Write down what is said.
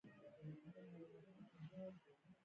ملګری د خندا ملګری دی